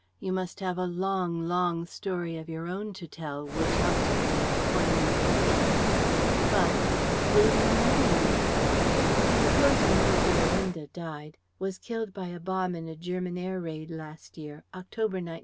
You must have a long, long story of your own to tell which ought to be of poignant interest. But ... will you marry me? I suppose you know dear Linda died was killed by a bomb in a German air raid last year October, 1917.